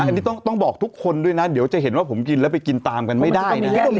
อันนี้ต้องบอกทุกคนด้วยนะเดี๋ยวจะเห็นว่าผมกินแล้วไปกินตามกันไม่ได้นะ